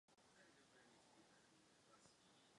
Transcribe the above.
Nahoře nejsou viditelné zbytky jakýchkoliv staveb.